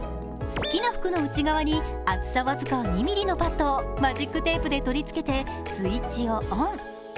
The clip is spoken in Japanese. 好きな服の内側に厚さ僅か２ミリのパットをマジックテープで取り付けてスイッチをオン。